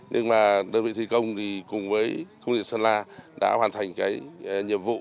nhưng mà đơn vị thủy công thì cùng với công ty sơn la đã hoàn thành cái nhiệm vụ